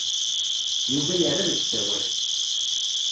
Yuba yerra deg usawal.